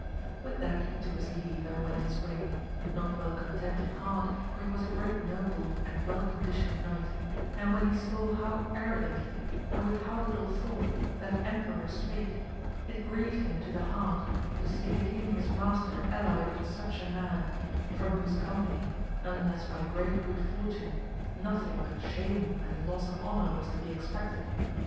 With that he took his leave and went his way, not well content in heart, for he was a great noble and well conditioned knight, and when he saw how arrogantly, and withhow little thought that emperor spake, it grieved him to the heart to see the king his master allied with such a man, from whose company, unless by groat good fortune, nothing but shame and loss of honour was to be expected.